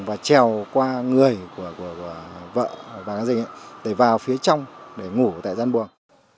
và trèo qua người của vợ vàng á rình để vào phía trong để ngủ tại gian buồng